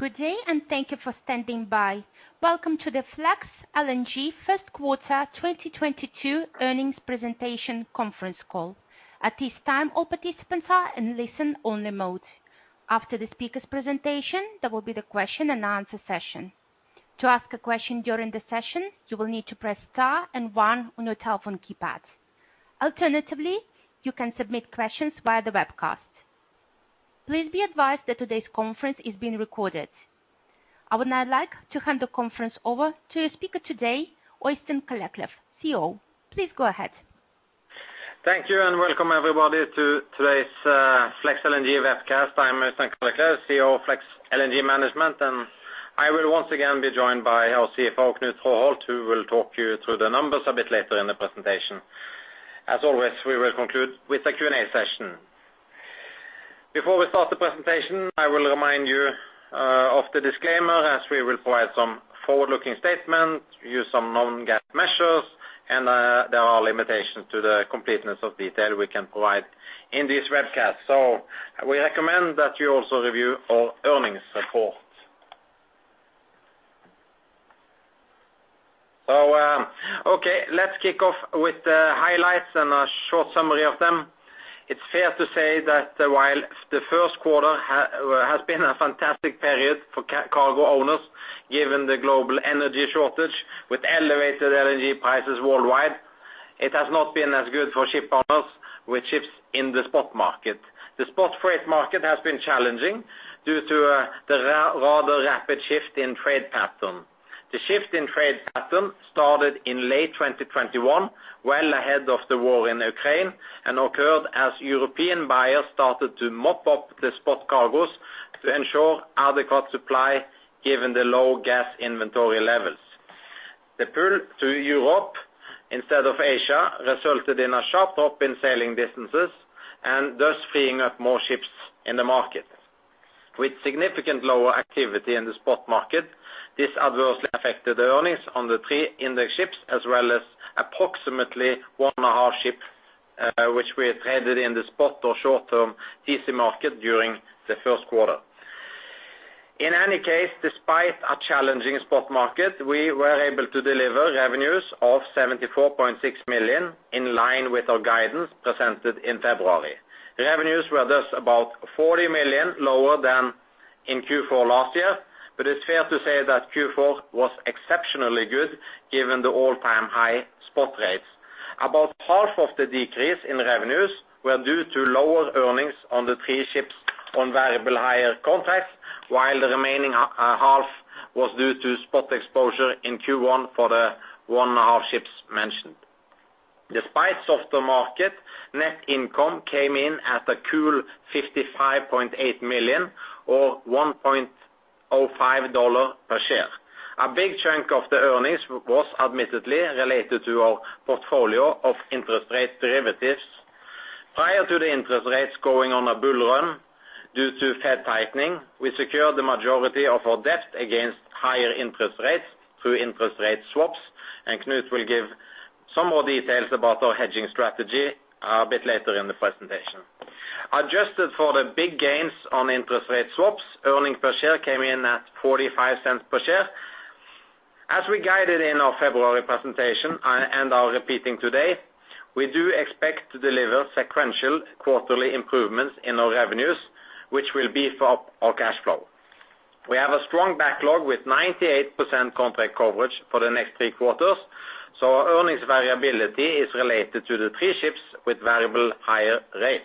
Good day and thank you for standing by. Welcome to the Flex LNG Q1 2022 earnings presentation conference call. At this time, all participants are in listen-only mode. After the speaker's presentation, there will be the question-and-answer session. To ask a question during the session, you will need to press star and one on your telephone keypad. Alternatively, you can submit questions via the webcast. Please be advised that today's conference is being recorded. I would now like to hand the conference over to your speaker today, Øystein Kalleklev, CEO. Please go ahead. Thank you, and welcome everybody to today's Flex LNG webcast. I am Øystein Kalleklev, CEO of Flex LNG Management, and I will once again be joined by our CFO, Knut Traaholt, who will talk you through the numbers a bit later in the presentation. As always, we will conclude with a Q&A session. Before we start the presentation, I will remind you of the disclaimer as we will provide some forward-looking statements, use some non-GAAP measures, and there are limitations to the completeness of detail we can provide in this webcast. We recommend that you also review our earnings report. Okay, let's kick off with the highlights and a short summary of them. It's fair to say that while the Q1 has been a fantastic period for cargo owners, given the global energy shortage with elevated LNG prices worldwide, it has not been as good for shipowners with ships in the spot market. The spot freight market has been challenging due to the rather rapid shift in trade pattern. The shift in trade pattern started in late 2021, well ahead of the war in Ukraine, and occurred as European buyers started to mop up the spot cargoes to ensure adequate supply given the low gas inventory levels. The pull to Europe instead of Asia resulted in a sharp drop in sailing distances and thus freeing up more ships in the market. With significantly lower activity in the spot market, this adversely affected the earnings on the three index ships, as well as approximately one and a half ships, which we had traded in the spot or short-term PC market during the Q1. In any case, despite a challenging spot market, we were able to deliver revenues of $74.6 million, in line with our guidance presented in February. Revenues were just about $40 million lower than in Q4 last year, but it's fair to say that Q4 was exceptionally good given the all-time high spot rates. About half of the decrease in revenues were due to lower earnings on the three ships on variable hire contracts, while the remaining half was due to spot exposure in Q1 for the one and a half ships mentioned. Despite softer market, net income came in at a cool $55.8 million, or $1.05 per share. A big chunk of the earnings was admittedly related to our portfolio of interest rate derivatives. Prior to the interest rates going on a bull run due to Fed tightening, we secured the majority of our debt against higher interest rates through interest rate swaps, and Knut will give some more details about our hedging strategy a bit later in the presentation. Adjusted for the big gains on interest rate swaps, earnings per share came in at $0.45 per share. As we guided in our February presentation and are repeating today, we do expect to deliver sequential quarterly improvements in our revenues, which will beef up our cash flow. We have a strong backlog with 98% contract coverage for the next three quarters, so our earnings variability is related to the three ships with variable hire rates.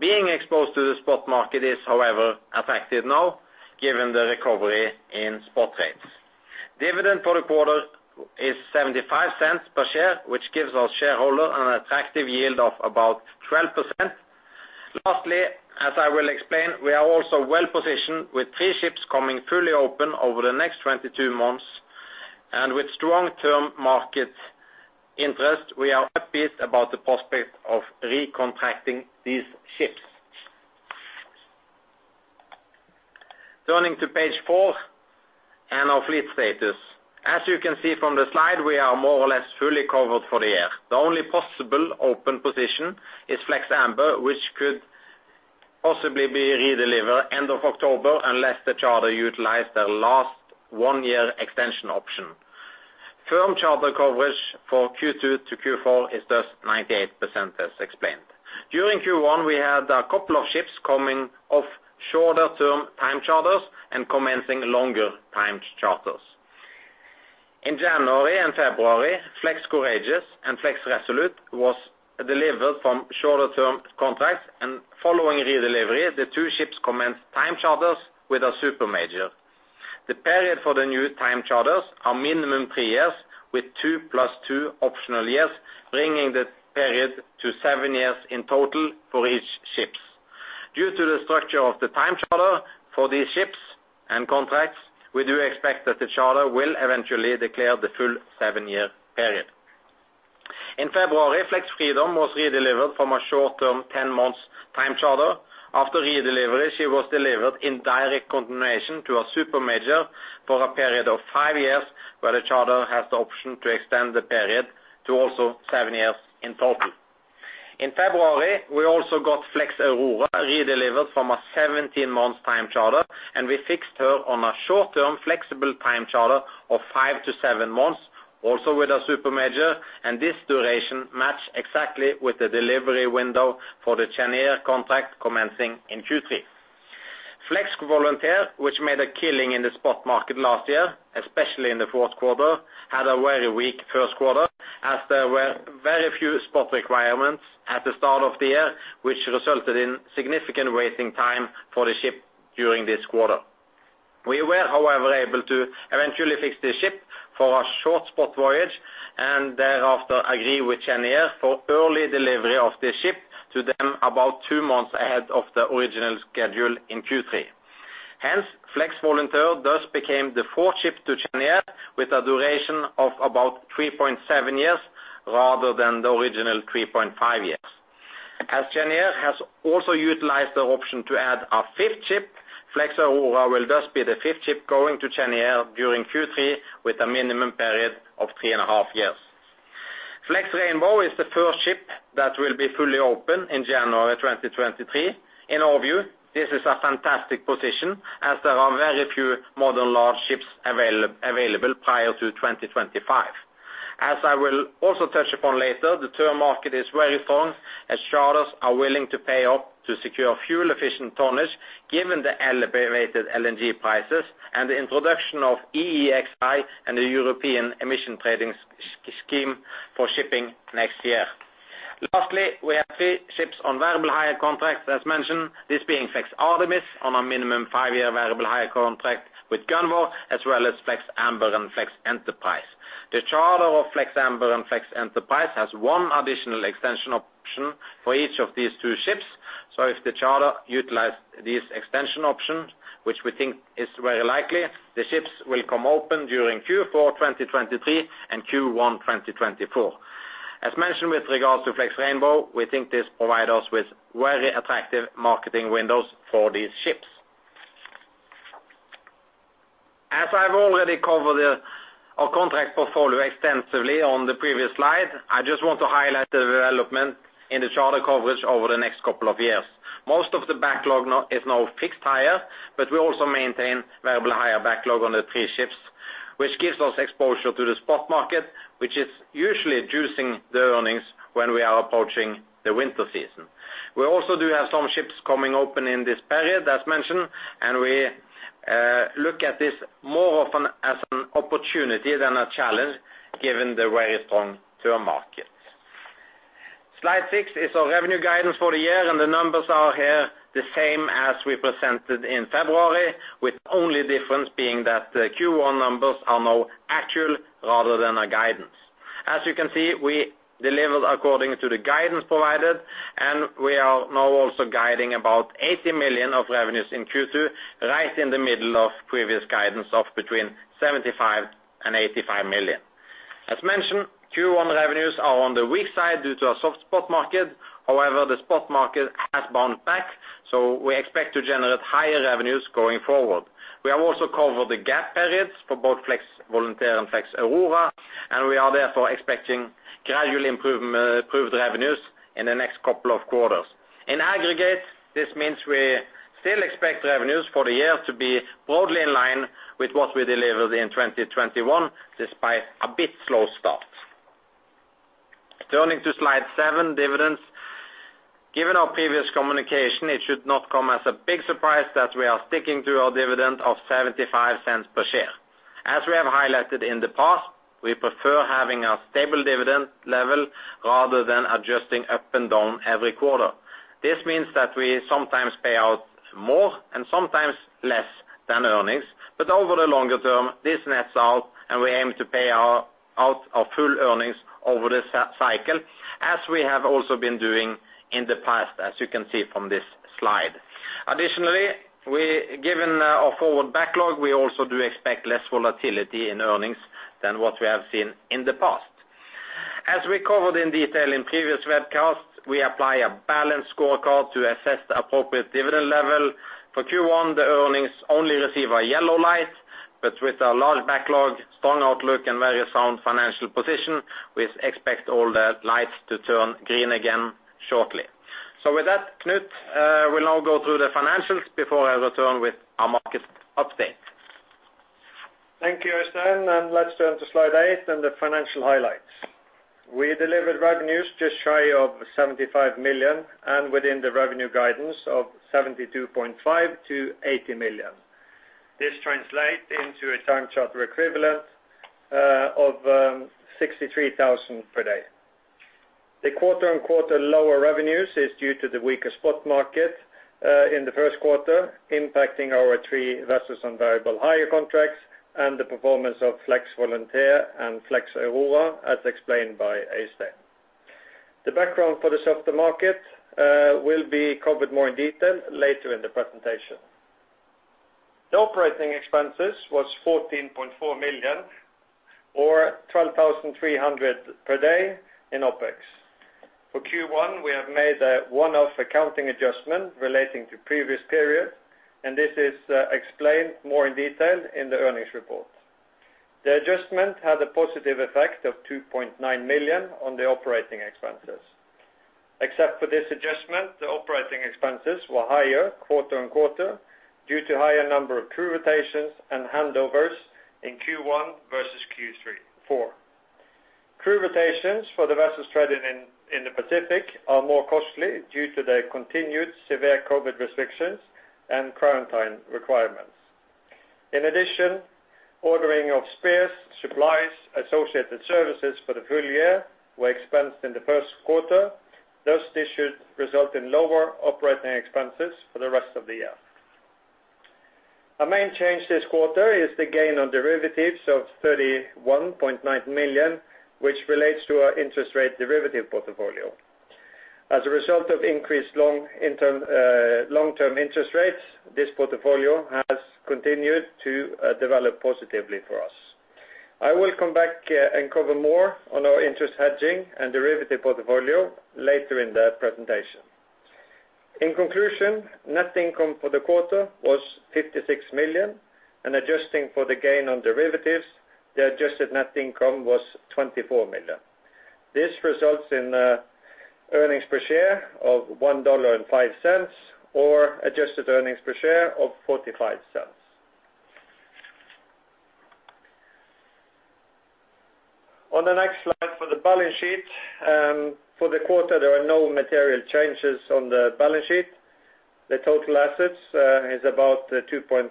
Being exposed to the spot market is, however, attractive now given the recovery in spot rates. Dividend for the quarter is $0.75 per share, which gives our shareholder an attractive yield of about 12%. Lastly, as I will explain, we are also well-positioned with three ships coming fully open over the next 22 months. With strong term market interest, we are upbeat about the prospect of reconstructing these ships. Turning to page four and our fleet status. As you can see from the slide, we are more or less fully covered for the year. The only possible open position is Flex Amber, which could possibly be redelivered end of October unless the charter utilizes their last one-year extension option. Firm charter coverage for Q2 to Q4 is just 98% as explained. During Q1, we had a couple of ships coming off shorter term time charters and commencing longer time charters. In January and February, Flex Courageous and Flex Resolute was delivered from shorter term contracts. Following redelivery, the two ships commenced time charters with a super major. The period for the new time charters are minimum three years with 2 + 2 optional years, bringing the period to seven years in total for each ship. Due to the structure of the time charter for these ships and contracts, we do expect that the charter will eventually declare the full 7-year period. In February, Flex Freedom was redelivered from a short-term 10-month time charter. After redelivery, she was delivered in direct continuation to a super major for a period of five years, where the charter has the option to extend the period to also seven years in total. In February, we also got Flex Aurora redelivered from a 17 months' time charter, and we fixed her on a short-term flexible time charter of five to seven months, also with a super major. This duration matched exactly with the delivery window for the Cheniere contract commencing in Q3. Flex Volunteer, which made a killing in the spot market last year, especially in the Q4, had a very weak Q1 as there were very few spot requirements at the start of the year, which resulted in significant waiting time for the ship during this quarter. We were, however, able to eventually fix the ship for a short spot voyage and thereafter agree with Cheniere for early delivery of the ship to them about two months ahead of the original schedule in Q3. Hence, Flex Volunteer thus became the fourth ship to Cheniere with a duration of about 3.7 years rather than the original 3.5 years. As Cheniere has also utilized the option to add a fifth ship, Flex Aurora will thus be the fifth ship going to Cheniere during Q3 with a minimum period of 3.5 years. Flex Rainbow is the first ship that will be fully open in January 2023. In our view, this is a fantastic position as there are very few modern large ships available prior to 2025. As I will also touch upon later, the term market is very strong as charters are willing to pay up to secure fuel efficient tonnage given the elevated LNG prices and the introduction of EEXI and the European Emission Trading System for shipping next year. Lastly, we have three ships on variable hire contracts. As mentioned, this being Flex Artemis on a minimum five-year variable hire contract with Gunvor, as well as Flex Amber and Flex Enterprise. The charter of Flex Amber and Flex Enterprise has one additional extension option for each of these two ships. If the charter utilized these extension options, which we think is very likely, the ships will come open during Q4 2023 and Q1 2024. As mentioned with regards to Flex Rainbow, we think this provide us with very attractive marketing windows for these ships. As I've already covered our contract portfolio extensively on the previous slide, I just want to highlight the development in the charter coverage over the next couple of years. Most of the backlog now is fixed higher, but we also maintain variable higher backlog on the three ships, which gives us exposure to the spot market, which is usually juicing the earnings when we are approaching the winter season. We also do have some ships coming open in this period, as mentioned, and we look at this more often as an opportunity than a challenge given the very strong term market. Slide six is our revenue guidance for the year, and the numbers are here the same as we presented in February, with only difference being that the Q1 numbers are now actual rather than a guidance. As you can see, we delivered according to the guidance provided, and we are now also guiding about $80 million of revenues in Q2, right in the middle of previous guidance of between $75 million and $85 million. As mentioned, Q1 revenues are on the weak side due to a soft spot market. However, the spot market has bounced back, so we expect to generate higher revenues going forward. We have also covered the gap periods for both Flex Volunteer and Flex Aurora, and we are therefore expecting gradually improved revenues in the next couple of quarters. In aggregate, this means we still expect revenues for the year to be broadly in line with what we delivered in 2021, despite a bit slow start. Turning to slide seven, dividends. Given our previous communication, it should not come as a big surprise that we are sticking to our dividend of $0.75 per share. As we have highlighted in the past, we prefer having a stable dividend level rather than adjusting up and down every quarter. This means that we sometimes pay out more and sometimes less than earnings. Over the longer term, this nets out, and we aim to pay out our full earnings over this cycle, as we have also been doing in the past, as you can see from this slide. Given our forward backlog, we also do expect less volatility in earnings than what we have seen in the past. As we covered in detail in previous webcasts, we apply a balanced scorecard to assess the appropriate dividend level. For Q1, the earnings only receive a yellow light, but with a large backlog, strong outlook, and very sound financial position, we expect all the lights to turn green again shortly. With that, Knut will now go through the financials before I return with our market update. Thank you, Øystein, and let's turn to slide eight and the financial highlights. We delivered revenues just shy of $75 million and within the revenue guidance of $72.5-$80 million. This translates into a time charter equivalent of $63,000 per day. The quarter-over-quarter lower revenues is due to the weaker spot market in the Q1, impacting our three vessels on variable hire contracts and the performance of Flex Volunteer and Flex Aurora, as explained by Øystein. The background for the softer market will be covered more in detail later in the presentation. The operating expenses was $14.4 million or $12,300 per day in OpEx. For Q1, we have made a one-off accounting adjustment relating to previous period, and this is explained more in detail in the earnings report. The adjustment had a positive effect of $2.9 million on the operating expenses. Except for this adjustment, the operating expenses were higher quarter over-quarter due to higher number of crew rotations and handovers in Q1 versus Q3, Q4. Crew rotations for the vessels trading in the Pacific are more costly due to the continued severe COVID restrictions and quarantine requirements. In addition, ordering of spares, supplies, associated services for the full year were expensed in the Q1, thus this should result in lower operating expenses for the rest of the year. A main change this quarter is the gain on derivatives of $31.9 million, which relates to our interest rate derivative portfolio. As a result of increased long-term interest rates, this portfolio has continued to develop positively for us. I will come back and cover more on our interest hedging and derivative portfolio later in the presentation. In conclusion, net income for the quarter was $56 million, and adjusting for the gain on derivatives, the adjusted net income was $24 million. This results in earnings per share of $1.05, or adjusted earnings per share of $0.45. On the next slide for the balance sheet, for the quarter, there are no material changes on the balance sheet. The total assets is about $2.6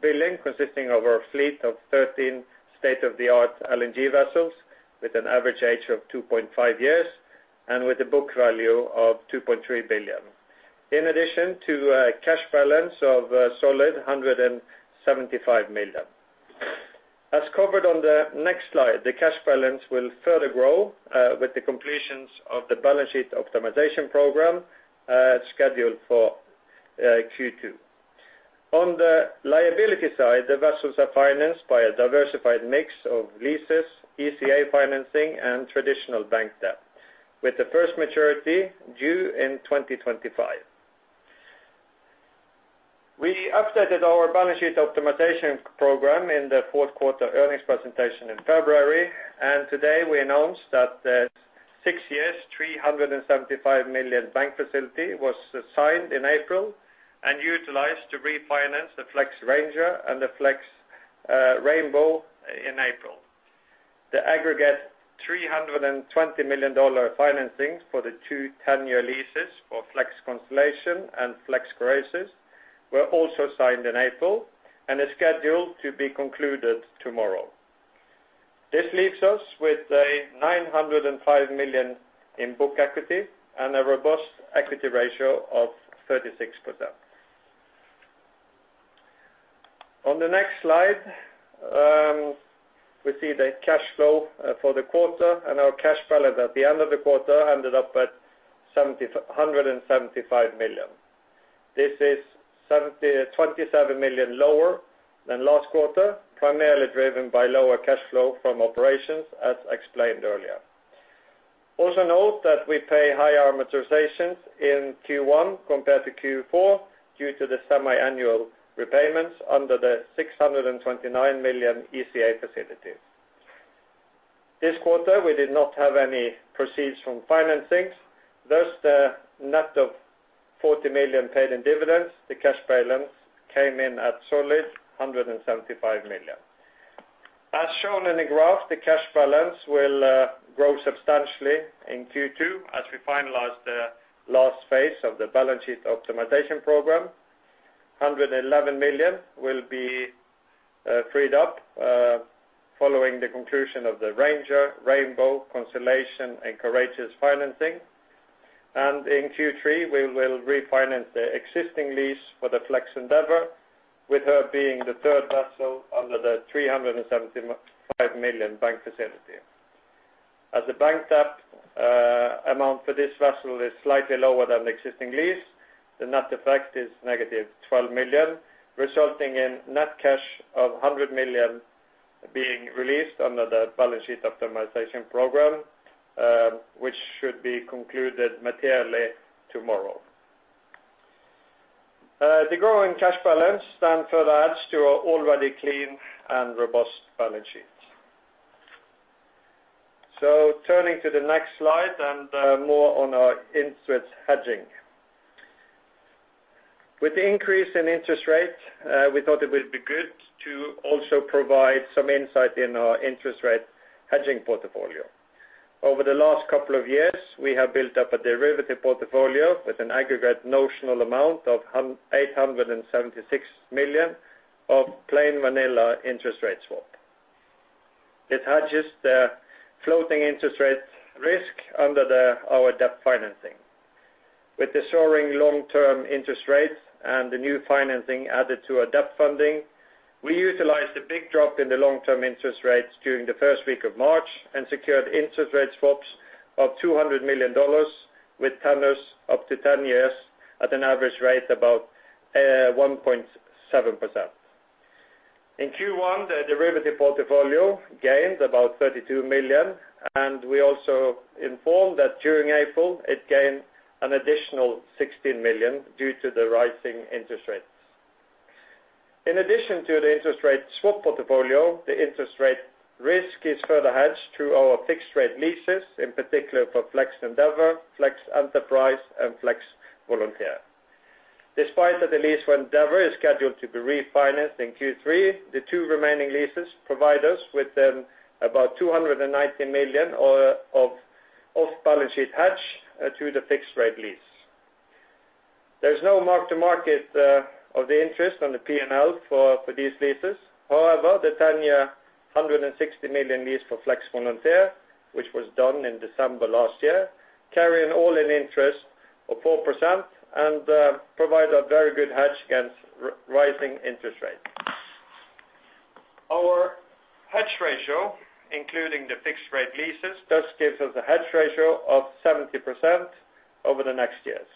billion, consisting of our fleet of 13 state-of-the-art LNG vessels with an average age of 2.5 years, and with a book value of $2.3 billion. In addition to a cash balance of a solid $175 million. As covered on the next slide, the cash balance will further grow with the completions of the balance sheet optimization program scheduled for Q2. On the liability side, the vessels are financed by a diversified mix of leases, ECA financing, and traditional bank debt, with the first maturity due in 2025. We updated our balance sheet optimization program in the Q4 earnings presentation in February, and today we announced that the six-year $375 million bank facility was signed in April and utilized to refinance the Flex Ranger and the Flex Rainbow in April. The aggregate $320 million financing for the two 10-year leases for Flex Constellation and Flex Courageous were also signed in April and is scheduled to be concluded tomorrow. This leaves us with $905 million in book equity and a robust equity ratio of 36%. On the next slide, we see the cash flow for the quarter and our cash balance at the end of the quarter ended up at $175 million. This is twenty-seven million lower than last quarter, primarily driven by lower cash flow from operations, as explained earlier. Also note that we pay higher amortizations in Q1 compared to Q4 due to the semi-annual repayments under the $629 million ECA facilities. This quarter, we did not have any proceeds from financings. Thus, the net of $40 million paid in dividends, the cash balance came in at solid $175 million. As shown in the graph, the cash balance will grow substantially in Q2 as we finalize the last phase of the balance sheet optimization program. $111 million will be freed up following the conclusion of the Flex Ranger, Flex Rainbow, Flex Constellation, and Flex Courageous financing. In Q3, we will refinance the existing lease for the Flex Endeavour, with her being the third vessel under the $375 million bank facility. As the bank debt amount for this vessel is slightly lower than the existing lease, the net effect is -$12 million, resulting in net cash of $100 million being released under the balance sheet optimization program, which should be concluded materially tomorrow. The growing cash balance then further adds to our already clean and robust balance sheet. Turning to the next slide and more on our interest hedging. With the increase in interest rate, we thought it would be good to also provide some insight in our interest rate hedging portfolio. Over the last couple of years, we have built up a derivative portfolio with an aggregate notional amount of $876 million of plain vanilla interest rate swap. It hedges the floating interest rate risk under the, our debt financing. With the soaring long-term interest rates and the new financing added to our debt funding, we utilized a big drop in the long-term interest rates during the first week of March and secured interest rate swaps of $200 million with tenures up to 10 years at an average rate about 1.7%. In Q1, the derivative portfolio gained about $32 million, and we also informed that during April, it gained an additional $16 million due to the rising interest rate. In addition to the interest rate swap portfolio, the interest rate risk is further hedged through our fixed rate leases, in particular for Flex Endeavour, Flex Enterprise, and Flex Volunteer. Despite that the lease for Endeavour is scheduled to be refinanced in Q3, the two remaining leases provide us with about $290 million of off-balance sheet hedge to the fixed rate lease. There's no mark to market of the interest on the P&L for these leases. However, the ten-year $160 million lease for Flex Volunteer, which was done in December last year, carrying all in interest of 4% and provide a very good hedge against rising interest rates. Our hedge ratio, including the fixed rate leases, does give us a hedge ratio of 70% over the next years.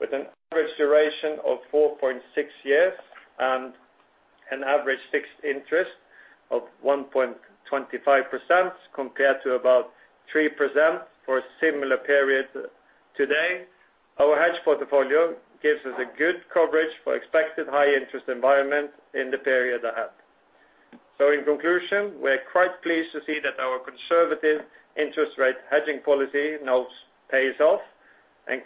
With an average duration of 4.6 years and an average fixed interest of 1.25% compared to about 3% for a similar period today, our hedge portfolio gives us a good coverage for expected high interest environment in the period ahead. In conclusion, we're quite pleased to see that our conservative interest rate hedging policy now pays off and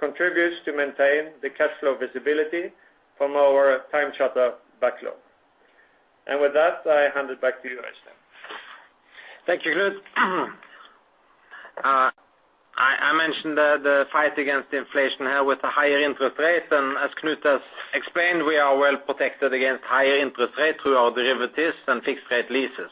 contributes to maintain the cash flow visibility from our time charter backlog. With that, I hand it back to you, Øystein. Thank you, Knut. I mentioned the fight against inflation here with the higher interest rate. As Knut has explained, we are well protected against higher interest rate through our derivatives and fixed rate leases.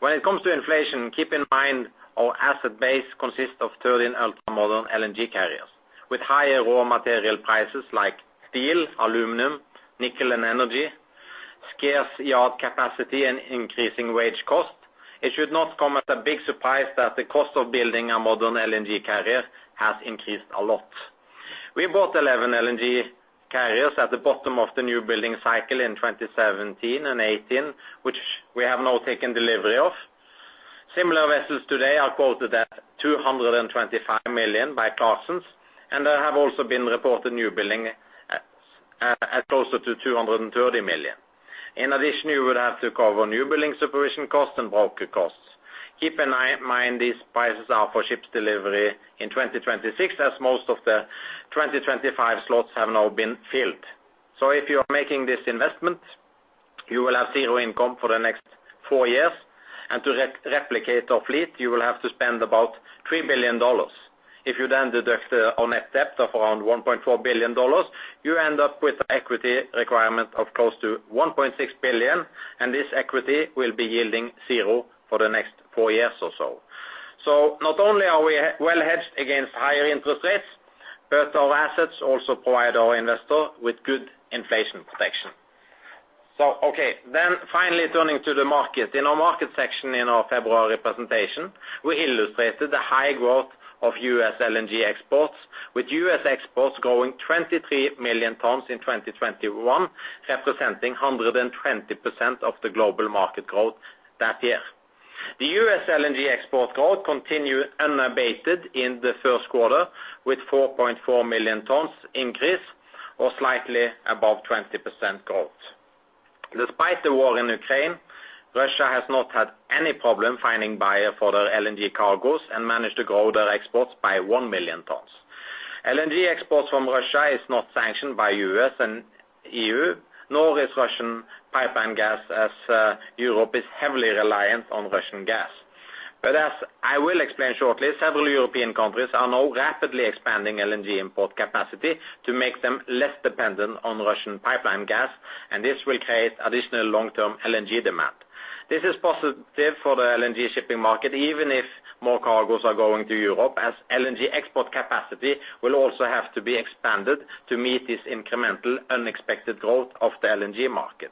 When it comes to inflation, keep in mind our asset base consists of 13 ultra-modern LNG carriers. With higher raw material prices like steel, aluminum, nickel, and energy, scarce yard capacity, and increasing wage cost, it should not come as a big surprise that the cost of building a modern LNG carrier has increased a lot. We bought 11 LNG carriers at the bottom of the new building cycle in 2017 and 2018, which we have now taken delivery of. Similar vessels today are quoted at $225 million by Clarksons, and there have also been reported new building at closer to $230 million. In addition, you would have to cover new building supervision costs and broker costs. Keep in mind, these prices are for ships delivery in 2026, as most of the 2025 slots have now been filled. If you are making this investment, you will have zero income for the next four years. To replicate our fleet, you will have to spend about $3 billion. If you then deduct our net debt of around $1.4 billion, you end up with an equity requirement of close to $1.6 billion, and this equity will be yielding zero for the next four years or so. Not only are we well hedged against higher interest rates, but our assets also provide our investor with good inflation protection. Okay, then finally turning to the market. In our market section in our February presentation, we illustrated the high growth of U.S. LNG exports, with U.S. exports growing 23 million tons in 2021, representing 120% of the global market growth that year. The U.S. LNG export growth continue unabated in the Q1, with 4.4 million tons increase or slightly above 20% growth. Despite the war in Ukraine, Russia has not had any problem finding buyer for their LNG cargos and managed to grow their exports by one million tons. LNG exports from Russia are not sanctioned by U.S. and E.U., nor is Russian pipeline gas, as Europe is heavily reliant on Russian gas. Several European countries are now rapidly expanding LNG import capacity to make them less dependent on Russian pipeline gas, and this will create additional long-term LNG demand. This is positive for the LNG shipping market, even if more cargos are going to Europe, as LNG export capacity will also have to be expanded to meet this incremental unexpected growth of the LNG market.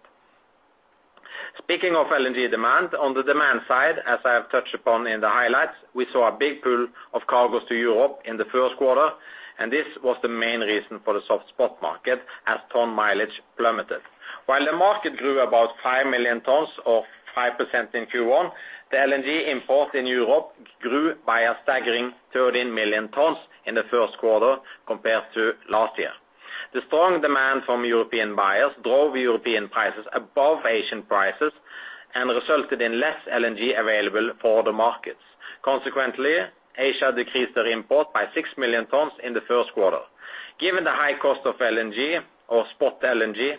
Speaking of LNG demand, on the demand side, as I have touched upon in the highlights, we saw a big pool of cargos to Europe in the Q1, and this was the main reason for the soft spot market as ton mileage plummeted. While the market grew about 5 million tons or 5% in Q1, the LNG import in Europe grew by a staggering 13 million tons in the Q1 compared to last year. The strong demand from European buyers drove European prices above Asian prices and resulted in less LNG available for other markets. Consequently, Asia decreased their import by 6 million tons in the Q1. Given the high cost of LNG or spot LNG,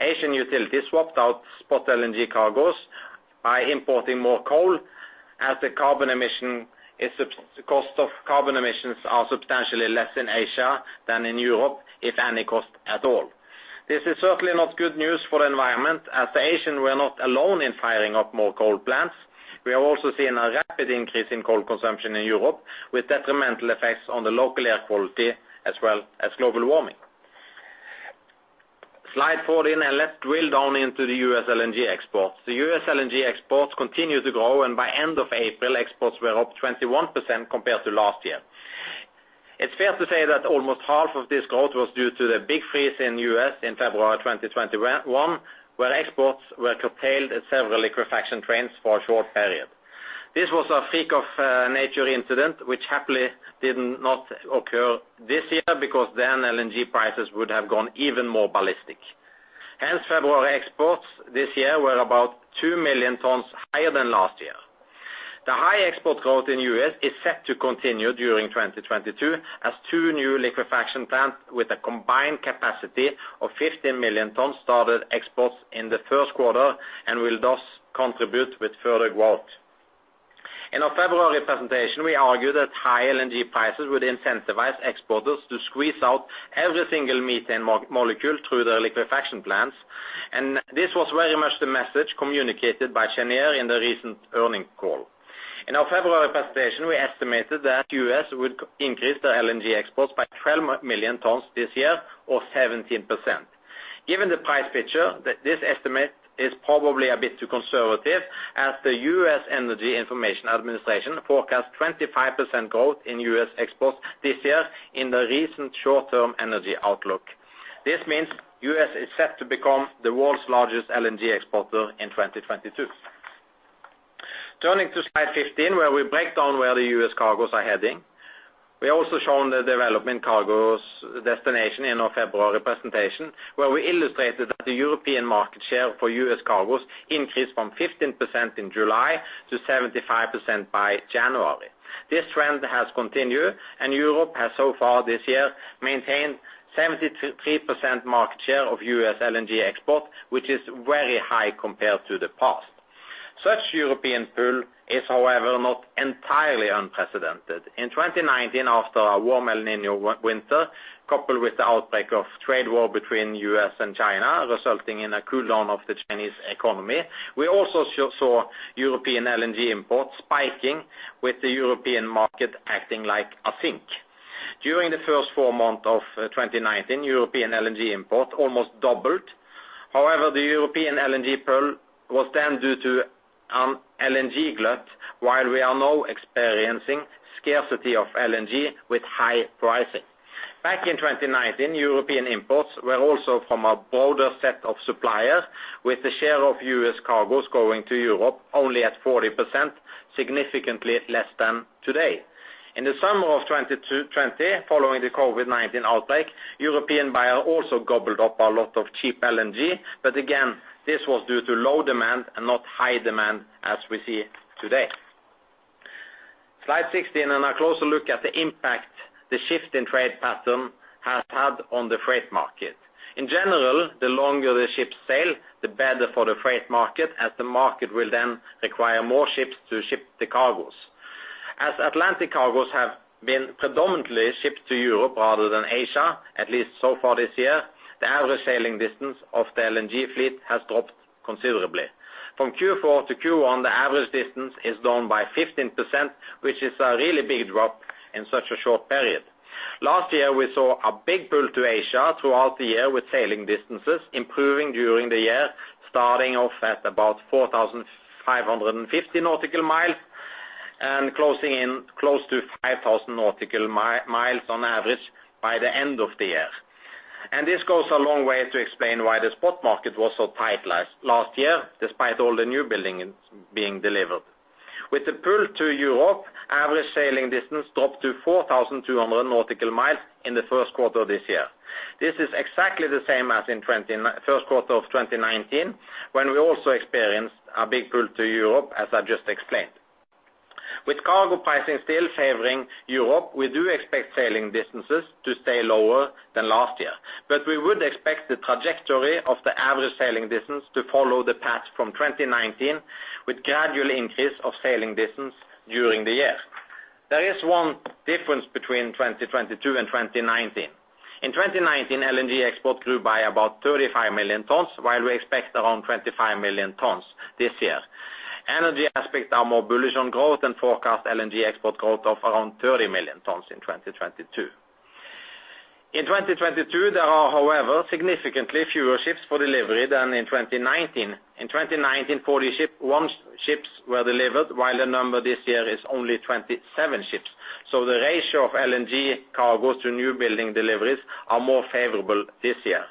Asian utilities swapped out spot LNG cargos by importing more coal, as the cost of carbon emissions are substantially less in Asia than in Europe, if any cost at all. This is certainly not good news for the environment, as the Asian were not alone in firing up more coal plants. We have also seen a rapid increase in coal consumption in Europe, with detrimental effects on the local air quality as well as global warming. Slide 14, and let's drill down into the U.S. LNG exports. The U.S. LNG exports continue to grow, and by end of April, exports were up 21% compared to last year. It's fair to say that almost half of this growth was due to the big freeze in the U.S. in February 2021, where exports were curtailed at several liquefaction trains for a short period. This was a freak of nature incident which happily did not occur this year because then LNG prices would have gone even more ballistic. Hence, February exports this year were about 2 million tons higher than last year. The high export growth in the U.S. is set to continue during 2022 as two new liquefaction plants with a combined capacity of 15 million tons started exports in the Q1 and will thus contribute with further growth. In our February presentation, we argued that high LNG prices would incentivize exporters to squeeze out every single methane molecule through their liquefaction plants. This was very much the message communicated by Cheniere in the recent earnings call. In our February presentation, we estimated that U.S. would increase their LNG exports by 12 million tons this year, or 17%. Given the price picture, this estimate is probably a bit too conservative, as the U.S. Energy Information Administration forecast 25% growth in U.S. exports this year in the recent short-term energy outlook. This means U.S. is set to become the world's largest LNG exporter in 2022. Turning to slide 15, where we break down where the U.S. cargoes are heading. We also showed the development of cargo destinations in our February presentation, where we illustrated that the European market share for U.S. cargoes increased from 15% in July to 75% by January. This trend has continued, and Europe has so far this year maintained 73% market share of U.S. LNG export, which is very high compared to the past. Such European pull is, however, not entirely unprecedented. In 2019, after a warm El Niño winter, coupled with the outbreak of trade war between U.S. and China, resulting in a cool down of the Chinese economy, we also saw European LNG imports spiking with the European market acting like a sink. During the first four months of 2019, European LNG import almost doubled. However, the European LNG pull was then due to an LNG glut, while we are now experiencing scarcity of LNG with high pricing. Back in 2019, European imports were also from a broader set of suppliers, with the share of U.S. cargoes going to Europe only at 40%, significantly less than today. In the summer of 2020, following the COVID-19 outbreak, European buyer also gobbled up a lot of cheap LNG. Again, this was due to low demand and not high demand as we see today. Slide 16, a closer look at the impact the shift in trade pattern has had on the freight market. In general, the longer the ships sail, the better for the freight market, as the market will then require more ships to ship the cargoes. As Atlantic cargoes have been predominantly shipped to Europe rather than Asia, at least so far this year, the average sailing distance of the LNG fleet has dropped considerably. From Q4 to Q1, the average distance is down by 15%, which is a really big drop in such a short period. Last year, we saw a big pull to Asia throughout the year with sailing distances improving during the year, starting off at about 4,550 nautical miles and closing in close to 5,000 nautical miles on average by the end of the year. This goes a long way to explain why the spot market was so tight last year, despite all the new buildings being delivered. With the pull to Europe, average sailing distance dropped to 4,200 nautical miles in the Q1 this year. This is exactly the same as in Q1 of 2019, when we also experienced a big pull to Europe, as I just explained. With cargo pricing still favoring Europe, we do expect sailing distances to stay lower than last year. We would expect the trajectory of the average sailing distance to follow the path from 2019 with gradual increase of sailing distance during the year. There is one difference between 2022 and 2019. In 2019, LNG export grew by about 35 million tons, while we expect around 25 million tons this year. Energy Aspects are more bullish on growth and forecast LNG export growth of around 30 million tons in 2022. In 2022, there are, however, significantly fewer ships for delivery than in 2019. In 2019, 41 ships were delivered, while the number this year is only 27 ships. The ratio of LNG cargoes to newbuilding deliveries are more favorable this year.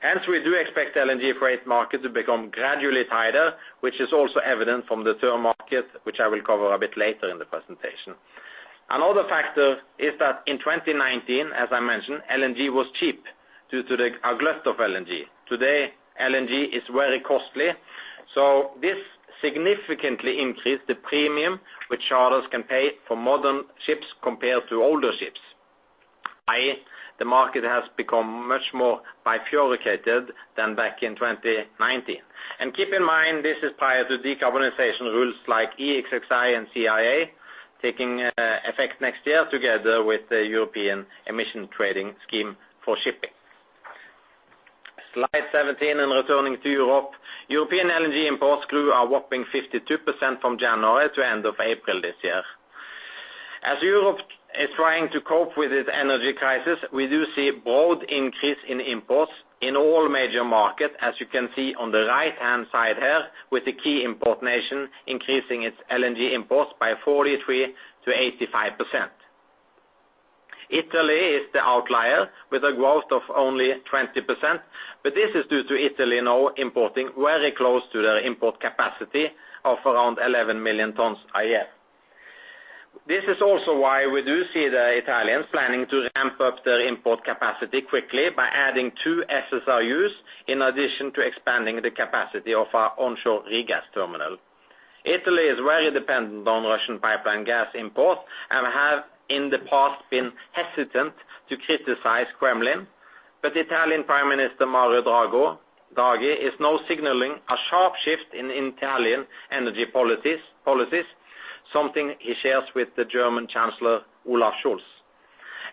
Hence, we do expect LNG freight market to become gradually tighter, which is also evident from the third market, which I will cover a bit later in the presentation. Another factor is that in 2019, as I mentioned, LNG was cheap due to a glut of LNG. Today, LNG is very costly, so this significantly increased the premium which charters can pay for modern ships compared to older ships. I.e., the market has become much more bifurcated than back in 2019. Keep in mind, this is prior to decarbonization rules like EEXI and CII taking effect next year together with the European Emission Trading System for shipping. Slide 17, returning to Europe. European LNG imports grew a whopping 52% from January to end of April this year. As Europe is trying to cope with this energy crisis, we do see broad increase in imports in all major markets, as you can see on the right-hand side here, with the key import nation increasing its LNG imports by 43%-85%. Italy is the outlier with a growth of only 20%, but this is due to Italy now importing very close to their import capacity of around 11 million tons a year. This is also why we do see the Italians planning to ramp up their import capacity quickly by adding 2 FSRUs in addition to expanding the capacity of our onshore regas terminal. Italy is very dependent on Russian pipeline gas imports and have in the past been hesitant to criticize Kremlin. Italian Prime Minister Mario Draghi is now signaling a sharp shift in Italian energy policies, something he shares with the German Chancellor Olaf Scholz.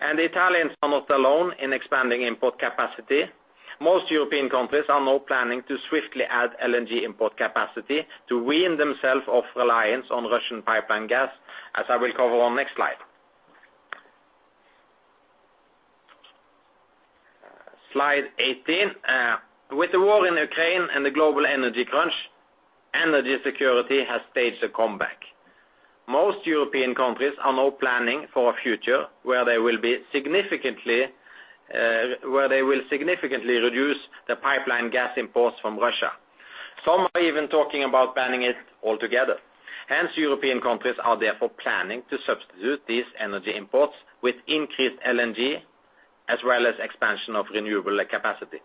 The Italians are not alone in expanding import capacity. Most European countries are now planning to swiftly add LNG import capacity to wean themselves off reliance on Russian pipeline gas, as I will cover on next slide. Slide 18. With the war in Ukraine and the global energy crunch, energy security has staged a comeback. Most European countries are now planning for a future where they will significantly reduce the pipeline gas imports from Russia. Some are even talking about banning it altogether. Hence, European countries are therefore planning to substitute these energy imports with increased LNG as well as expansion of renewable capacity.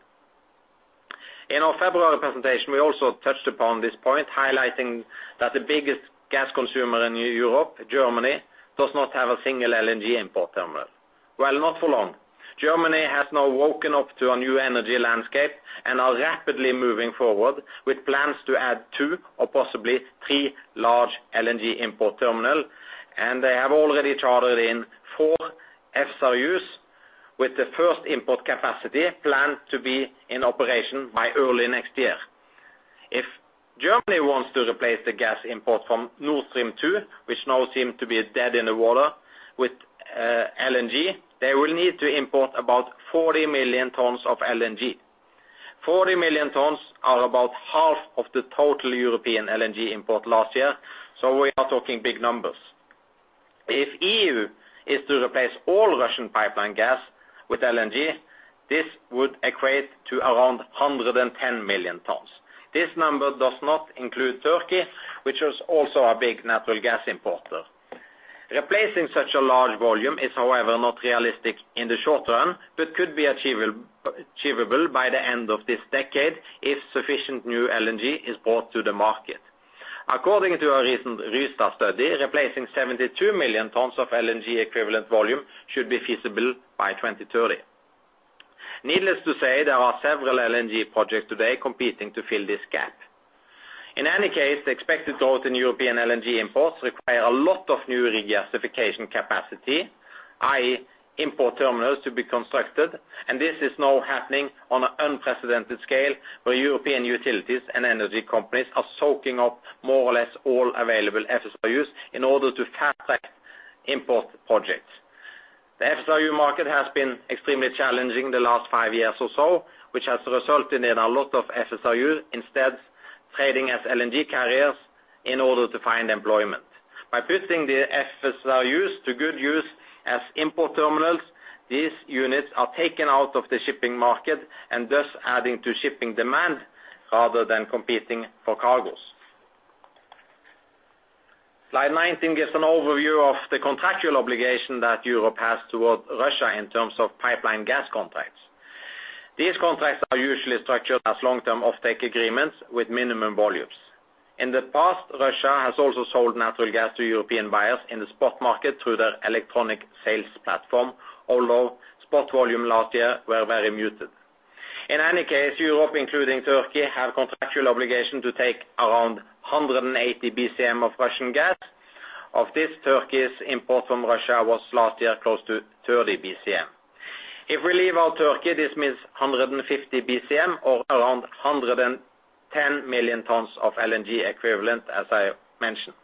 In our February presentation, we also touched upon this point, highlighting that the biggest gas consumer in Europe, Germany, does not have a single LNG import terminal. Well, not for long. Germany has now woken up to a new energy landscape and are rapidly moving forward with plans to add two or possibly three large LNG import terminal. They have already chartered in four FSRUs, with the first import capacity planned to be in operation by early next year. If Germany wants to replace the gas import from Nord Stream 2, which now seem to be dead in the water with LNG, they will need to import about 40 million tons of LNG. 40 million tons are about half of the total European LNG import last year, so we are talking big numbers. If EU is to replace all Russian pipeline gas with LNG, this would equate to around 110 million tons. This number does not include Turkey, which is also a big natural gas importer. Replacing such a large volume is, however, not realistic in the short term, but could be achievable by the end of this decade if sufficient new LNG is brought to the market. According to a recent Rystad study, replacing 72 million tons of LNG equivalent volume should be feasible by 2030. Needless to say, there are several LNG projects today competing to fill this gap. In any case, the expected growth in European LNG imports require a lot of new regasification capacity, i.e. Import terminals to be constructed, and this is now happening on an unprecedented scale where European utilities and energy companies are soaking up more or less all available FSRUs in order to fast-track import projects. The FSRU market has been extremely challenging the last five years or so, which has resulted in a lot of FSRU instead trading as LNG carriers in order to find employment. By putting the FSRUs to good use as import terminals, these units are taken out of the shipping market and thus adding to shipping demand rather than competing for cargos. Slide 19 gives an overview of the contractual obligation that Europe has towards Russia in terms of pipeline gas contracts. These contracts are usually structured as long-term offtake agreements with minimum volumes. In the past, Russia has also sold natural gas to European buyers in the spot market through their electronic sales platform, although spot volume last year were very muted. In any case, Europe, including Turkey, have contractual obligation to take around 180 BCM of Russian gas. Of this, Turkey's import from Russia was last year close to 30 BCM. If we leave out Turkey, this means 150 BCM or around 110 million tons of LNG equivalent, as I mentioned.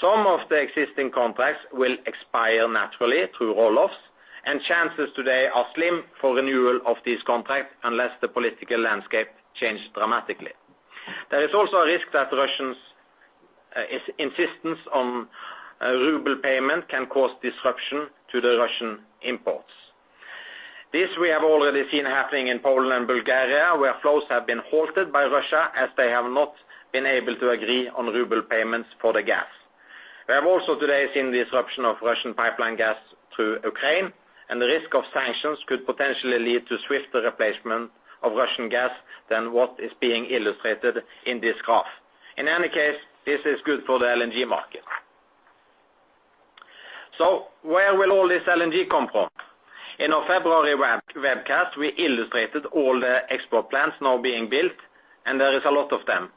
Some of the existing contracts will expire naturally through roll-offs, and chances today are slim for renewal of this contract unless the political landscape changes dramatically. There is also a risk that Russians' insistence on ruble payment can cause disruption to the Russian imports. This we have already seen happening in Poland and Bulgaria, where flows have been halted by Russia as they have not been able to agree on ruble payments for the gas. We have also today seen the disruption of Russian pipeline gas to Ukraine, and the risk of sanctions could potentially lead to swifter replacement of Russian gas than what is being illustrated in this graph. In any case, this is good for the LNG market. Where will all this LNG come from? In our February webcast, we illustrated all the export plants now being built, and there is a lot of them.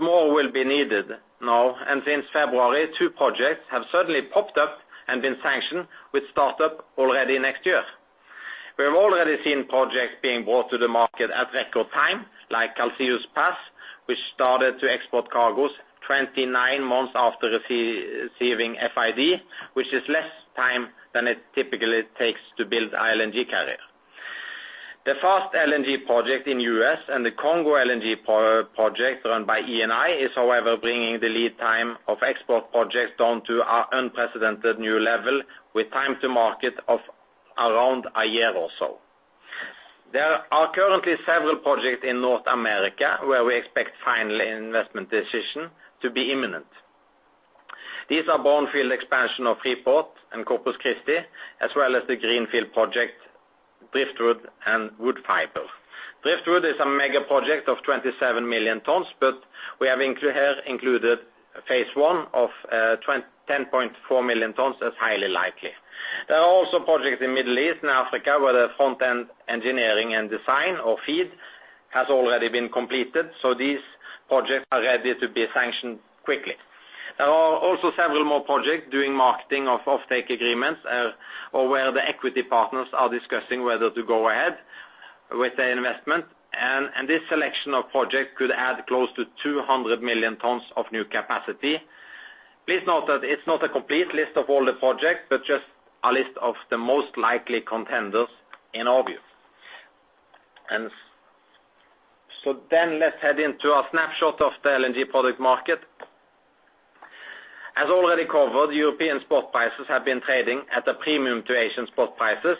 More will be needed now, and since February, two projects have suddenly popped up and been sanctioned with startup already next year. We have already seen projects being brought to the market at record time, like Calcasieu Pass, which started to export cargos 29 months after receiving FID, which is less time than it typically takes to build a LNG carrier. The first LNG project in US and the Congo LNG project run by Eni is however bringing the lead time of export projects down to our unprecedented new level with time to market of around a year or so. There are currently several projects in North America where we expect final investment decision to be imminent. These are brownfield expansion of Freeport and Corpus Christi, as well as the greenfield project, Driftwood and Woodfibre. Driftwood is a mega project of 27 million tons, but we have included phase one of ten point four million tons as highly likely. There are also projects in Middle East and Africa, where the front-end engineering and design of FEED has already been completed, so these projects are ready to be sanctioned quickly. There are also several more projects doing marketing of offtake agreements or where the equity partners are discussing whether to go ahead with the investment. This selection of projects could add close to 200 million tons of new capacity. Please note that it's not a complete list of all the projects, but just a list of the most likely contenders in our view. Let's head into a snapshot of the LNG product market. As already covered, European spot prices have been trading at a premium to Asian spot prices,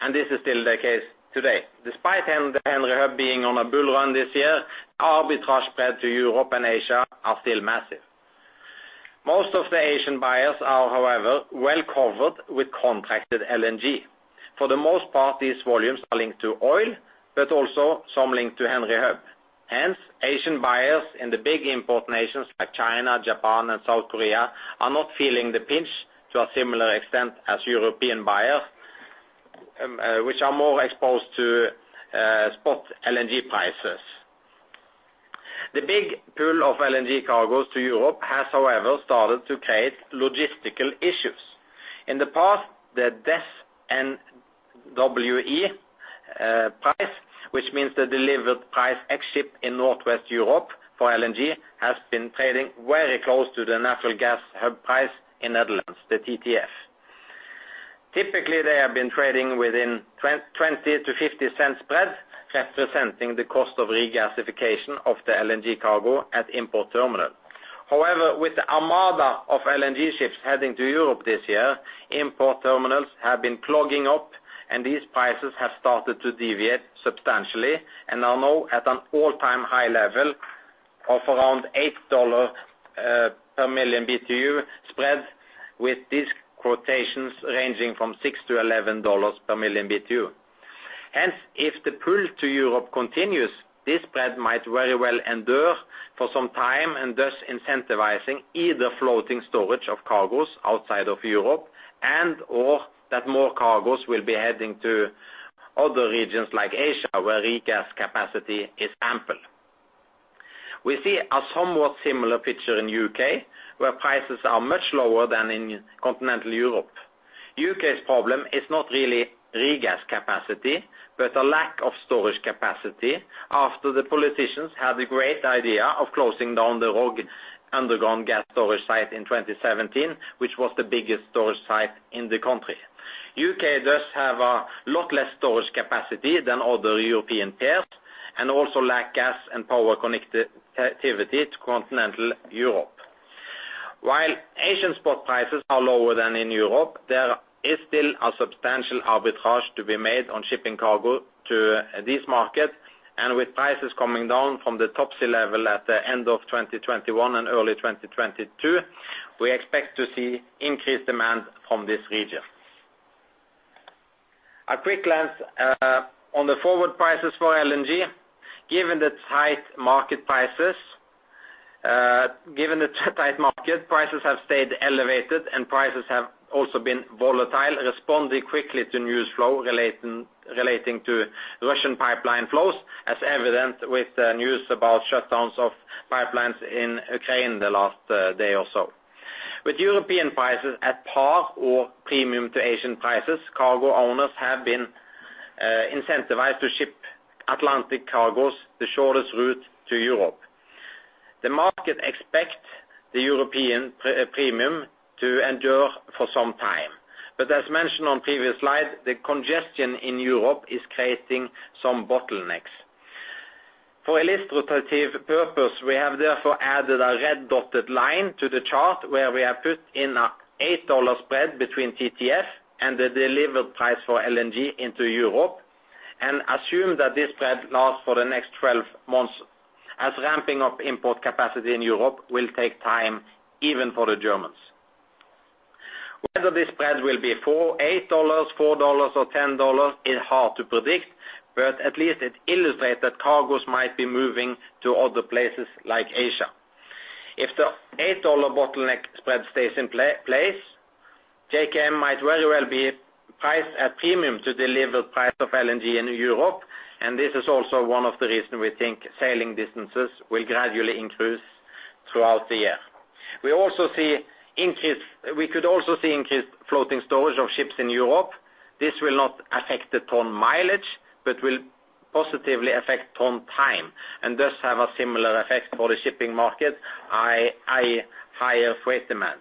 and this is still the case today. Despite the Henry Hub being on a bull run this year, the arbitrage spread to Europe and Asia are still massive. Most of the Asian buyers are, however, well covered with contracted LNG. For the most part, these volumes are linked to oil, but also some linked to Henry Hub. Hence, Asian buyers in the big import nations like China, Japan, and South Korea are not feeling the pinch to a similar extent as European buyers, which are more exposed to spot LNG prices. The big pool of LNG cargoes to Europe has, however, started to create logistical issues. In the past, the DES NWE price, which means the delivered ex-ship price in Northwest Europe for LNG, has been trading very close to the natural gas hub price in the Netherlands, the TTF. Typically, they have been trading within 20- to 50-cent spread, representing the cost of regasification of the LNG cargo at import terminal. However, with the armada of LNG ships heading to Europe this year, import terminals have been clogging up, and these prices have started to deviate substantially and are now at an all-time high level of around $8 per million BTU spread, with these quotations ranging from $6 - $11 per million BTU. Hence, if the pull to Europe continues, this spread might very well endure for some time and thus incentivizing either floating storage of cargos outside of Europe and/or that more cargos will be heading to other regions like Asia, where Regas capacity is ample. We see a somewhat similar picture in U.K., where prices are much lower than in continental Europe. UK's problem is not really regas capacity, but a lack of storage capacity after the politicians had the great idea of closing down the Rough underground gas storage site in 2017, which was the biggest storage site in the country. UK does have a lot less storage capacity than other European peers and also lack gas and power connectivity to continental Europe. While Asian spot prices are lower than in Europe, there is still a substantial arbitrage to be made on shipping cargo to these markets. With prices coming down from the toppy level at the end of 2021 and early 2022, we expect to see increased demand from this region. A quick glance on the forward prices for LNG. Given the tight market, prices have stayed elevated and prices have also been volatile, responding quickly to news flow relating to Russian pipeline flows as evident with the news about shutdowns of pipelines in Ukraine the last day or so. With European prices at par or premium to Asian prices, cargo owners have been incentivized to ship Atlantic cargos the shortest route to Europe. The market expect the European premium to endure for some time. As mentioned on previous slide, the congestion in Europe is creating some bottlenecks. For illustrative purpose, we have therefore added a red-dotted line to the chart where we have put in a $8 spread between TTF and the delivered price for LNG into Europe and assume that this spread lasts for the next 12 months as ramping up import capacity in Europe will take time even for the Germans. Whether this spread will be $8, $4, or $10 is hard to predict, but at least it illustrates that cargos might be moving to other places like Asia. If the $8 bottleneck spread stays in place, JKM might very well be priced at premium to delivered price of LNG in Europe, and this is also one of the reasons we think sailing distances will gradually increase throughout the year. We could also see increased floating storage of ships in Europe. This will not affect the ton mileage, but will positively affect ton time and thus have a similar effect for the shipping market, higher freight demand.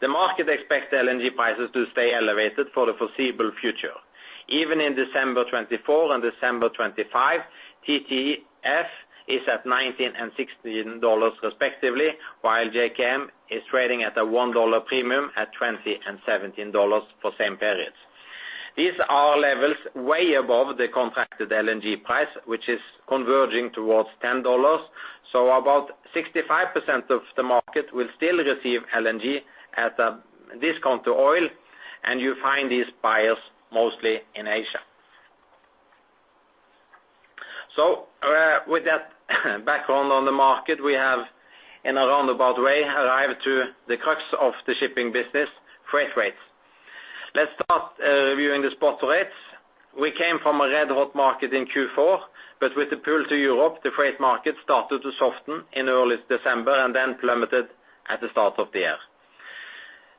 The market expects LNG prices to stay elevated for the foreseeable future. Even in December 2024 and December 2025, TTF is at $19 and $16 respectively, while JKM is trading at a $1 premium at $20 and $17 for same periods. These are levels way above the contracted LNG price, which is converging towards $10. About 65% of the market will still receive LNG at a discount to oil, and you find these buyers mostly in Asia. With that background on the market, we have, in a roundabout way, arrived to the crux of the shipping business, freight rates. Let's start reviewing the spot rates. We came from a red-hot market in Q4, but with the pull to Europe, the freight market started to soften in early December and then plummeted at the start of the year.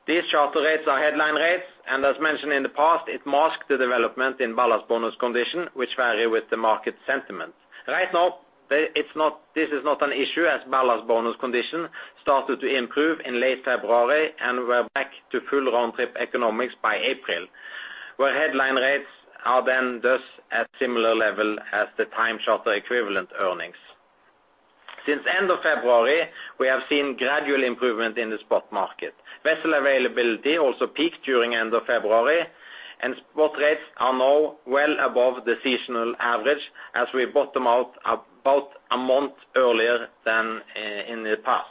These charter rates are headline rates, and as mentioned in the past, it masked the development in ballast bonus conditions, which vary with the market sentiment. Right now, this is not an issue as ballast bonus conditions started to improve in late February and we're back to full round-trip economics by April. Where headline rates are then thus at similar level as the time charter equivalent earnings. Since the end of February, we have seen gradual improvement in the spot market. Vessel availability also peaked during the end of February, and spot rates are now well above the seasonal average as we bottom out about a month earlier than in the past.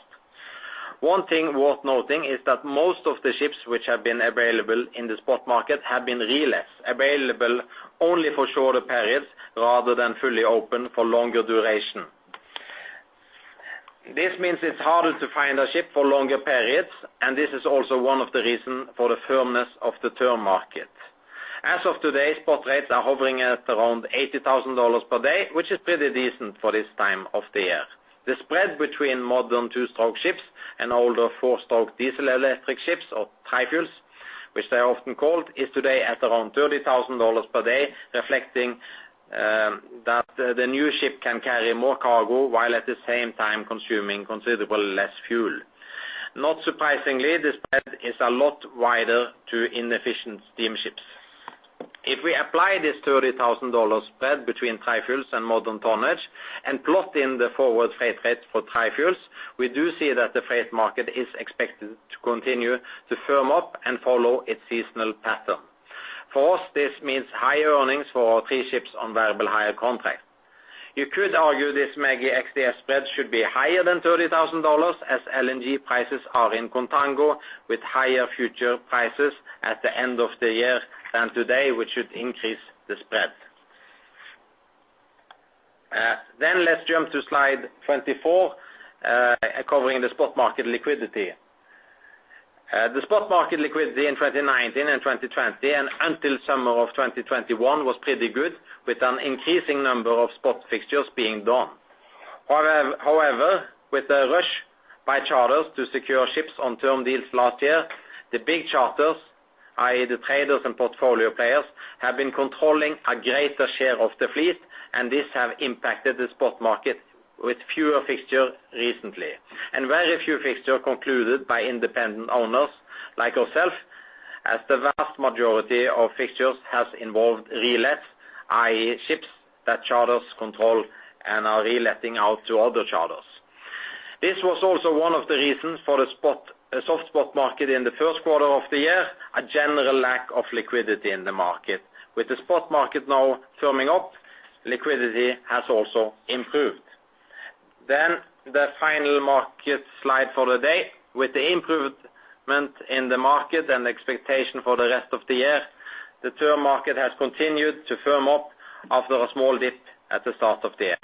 One thing worth noting is that most of the ships which have been available in the spot market have been relets, available only for shorter periods rather than fully open for longer duration. This means it's harder to find a ship for longer periods, and this is also one of the reason for the firmness of the term market. As of today, spot rates are hovering at around $80,000 per day, which is pretty decent for this time of the year. The spread between modern two-stroke ships and older four-stroke diesel electric ships or tri-fuels, which they're often called, is today at around $30,000 per day, reflecting that the new ship can carry more cargo while at the same time consuming considerably less fuel. Not surprisingly, the spread is a lot wider to inefficient steamships. If we apply this $30,000 spread between TFDES and modern tonnage and plot in the forward freight rates for TFDES, we do see that the freight market is expected to continue to firm up and follow its seasonal pattern. For us, this means higher earnings for our three ships on variable hire contract. You could argue this MEGI XDF spread should be higher than $30,000 as LNG prices are in contango with higher future prices at the end of the year than today, which should increase the spread. Let's jump to slide 24, covering the spot market liquidity. The spot market liquidity in 2019 and 2020 and until summer of 2021 was pretty good, with an increasing number of spot fixtures being done. However, with the rush by charters to secure ships on term deals last year, the big charters, i.e., the traders and portfolio players, have been controlling a greater share of the fleet, and this have impacted the spot market with fewer fixtures recently. Very few fixtures concluded by independent owners like us, as the vast majority of fixtures has involved relets, i.e., ships that charters control and are reletting out to other charters. This was also one of the reasons for a soft spot market in the Q1 of the year, a general lack of liquidity in the market. With the spot market now firming up, liquidity has also improved. The final market slide for the day. With the improvement in the market and expectation for the rest of the year, the term market has continued to firm up after a small dip at the start of the year.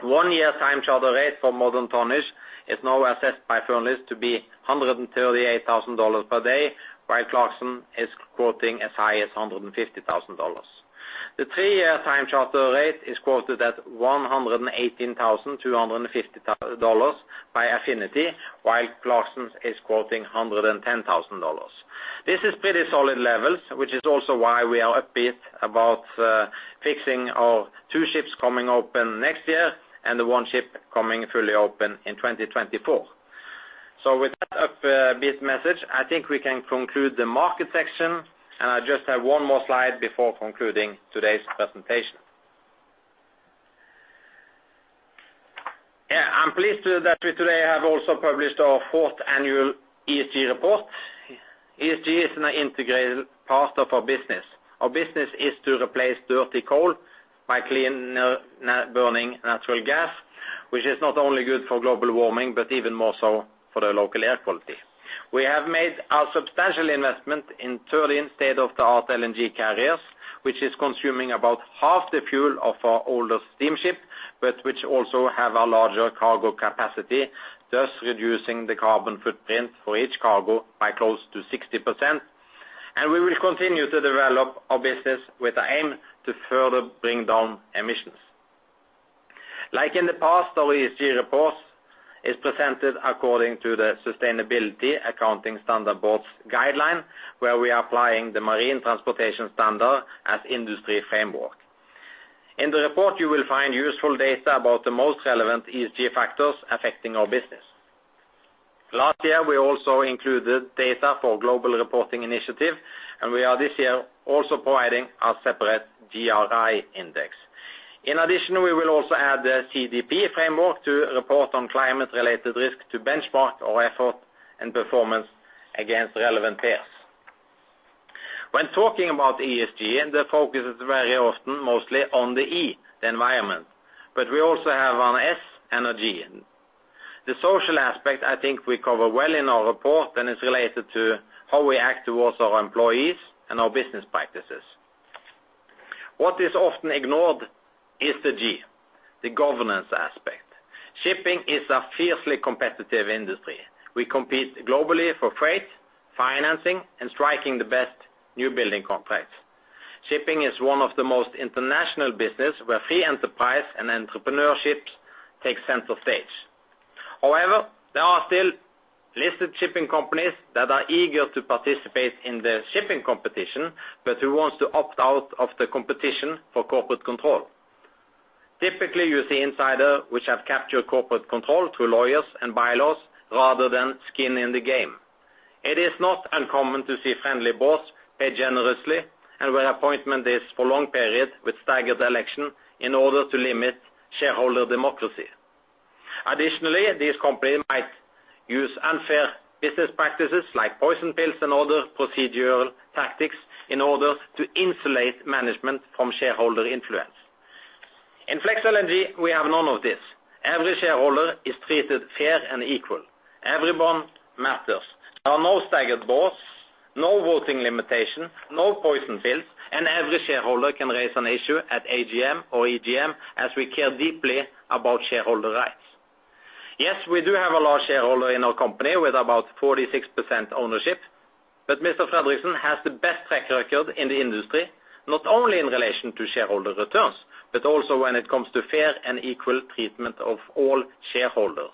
One-year time charter rate for modern tonnage is now assessed by Fearnleys to be $138,000 per day, while Clarksons is quoting as high as $150,000. The three-year time charter rate is quoted at $118,250 by Affinity, while Clarksons is quoting $110,000. This is pretty solid levels, which is also why we are upbeat about fixing our two ships coming open next year and the one ship coming fully open in 2024. With that upbeat message, I think we can conclude the market section, and I just have one more slide before concluding today's presentation. I'm pleased that we today have also published our fourth annual ESG report. ESG is an integrated part of our business. Our business is to replace dirty coal by clean, natural burning natural gas, which is not only good for global warming, but even more so for the local air quality. We have made a substantial investment in 30 state-of-the-art LNG carriers, which is consuming about half the fuel of our older steamship, but which also have a larger cargo capacity, thus reducing the carbon footprint for each cargo by close to 60%. We will continue to develop our business with the aim to further bring down emissions. Like in the past, our ESG report is presented according to the Sustainability Accounting Standards Board's guideline, where we are applying the Marine Transportation Standard as industry framework. In the report, you will find useful data about the most relevant ESG factors affecting our business. Last year, we also included data for Global Reporting Initiative, and we are this year also providing a separate GRI index. In addition, we will also add the CDP framework to report on climate-related risk to benchmark our effort and performance against relevant peers. When talking about ESG, the focus is very often mostly on the E, the environment. But we also have an S and a G. The social aspect, I think we cover well in our report, and it's related to how we act towards our employees and our business practices. What is often ignored is the G, the governance aspect. Shipping is a fiercely competitive industry. We compete globally for freight, financing, and striking the best new building contracts. Shipping is one of the most international business where free enterprise and entrepreneurship take center stage. However, there are still listed shipping companies that are eager to participate in the shipping competition, but who wants to opt out of the competition for corporate control. Typically, you see insider which have captured corporate control through lawyers and bylaws rather than skin in the game. It is not uncommon to see friendly boards paid generously and where appointment is for long period with staggered election in order to limit shareholder democracy. Additionally, this company might use unfair business practices like poison pills and other procedural tactics in order to insulate management from shareholder influence. In Flex LNG, we have none of this. Every shareholder is treated fair and equal. Everyone matters. There are no staggered boards, no voting limitation, no poison pills, and every shareholder can raise an issue at AGM or EGM as we care deeply about shareholder rights. Yes, we do have a large shareholder in our company with about 46% ownership. Mr. Fredriksen has the best track record in the industry, not only in relation to shareholder returns, but also when it comes to fair and equal treatment of all shareholders.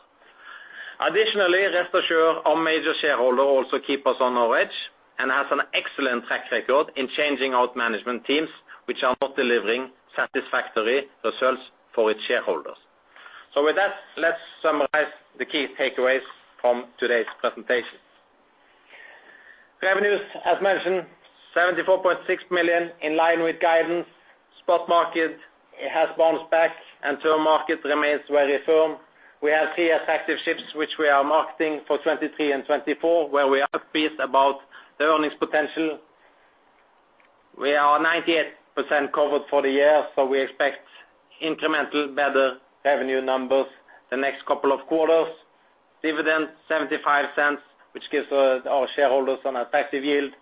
Additionally, Geveran, our major shareholder, also keep us on our edge and has an excellent track record in changing out management teams which are not delivering satisfactory results for its shareholders. With that, let's summarize the key takeaways from today's presentation. Revenues, as mentioned, $74.6 million, in line with guidance. Spot market has bounced back and term market remains very firm. We have three effective ships which we are marketing for 2023 and 2024, where we are pleased about the earnings potential. We are 98% covered for the year, so we expect incremental better revenue numbers the next couple of quarters. Dividends $0.75, which gives our shareholders an effective yield.